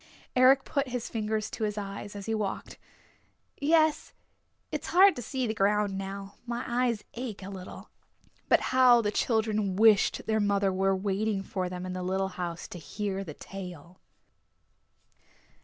Eric put his fingers to his eyes as he walked. "Yes, it's hard to see the ground now. My eyes ache a little." But how the children wished their mother were waiting for them in the little house to hear the tale!